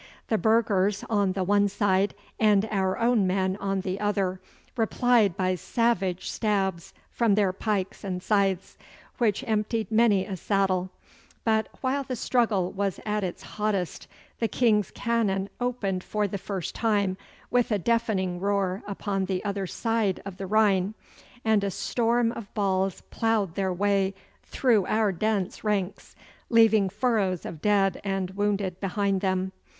The burghers on the one side and our own men on the other replied by savage stabs from their pikes and scythes, which emptied many a saddle, but while the struggle was at its hottest the King's cannon opened for the first time with a deafening roar upon the other side of the rhine, and a storm of balls ploughed their way through our dense ranks, leaving furrows of dead and wounded behind them.